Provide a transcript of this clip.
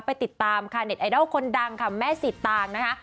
ไปติดตามค่ะเน็ตไอดอลคนดังค่ะแม่สิตางนะคะ